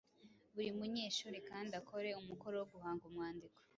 Buri munyeshuri kandi akore umukoro wo guhanga umwandiko.